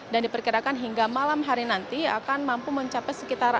dan diperkirakan hingga malam hari nanti akan mampu mencapai sekitar